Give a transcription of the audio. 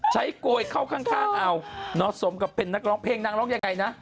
โกยเข้าข้างเอาสมกับเป็นนักร้องเพลงนางร้องยังไงนะ